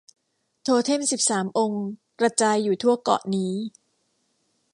โทเท็มสิบสามองค์กระจายอยู่ทั่วเกาะนี้